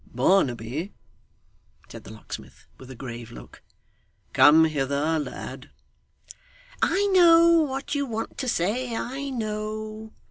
'Barnaby,' said the locksmith, with a grave look; 'come hither, lad.' 'I know what you want to say. I know!